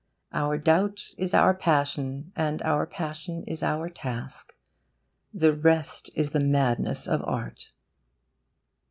Our doubt is our passion and our passion is our task. The rest is the madness of art.